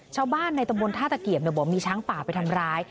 ชาวบ้านในตำบลท่าตะเกียบบอกมีช้างป่าไปทำร้าย